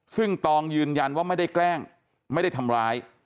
ซึ่งตองยืนยันว่าไม่ได้แกล้งไม่ได้ทำร้าย